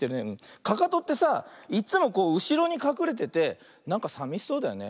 かかとってさいっつもこううしろにかくれててなんかさみしそうだよね。